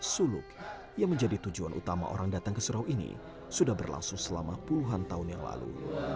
suluk yang menjadi tujuan utama orang datang ke surau ini sudah berlangsung selama puluhan tahun yang lalu